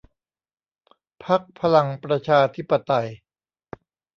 พรรคพลังประชาธิปไตย